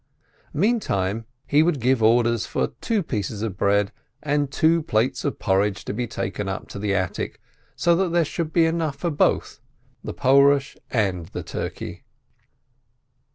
Meantime he would give orders for two pieces of bread and two plates of porridge to be taken up to the attic, so that there should be enough for both, the Porush and the turkey.